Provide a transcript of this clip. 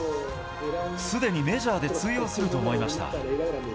すでにメジャーで通用すると思いました。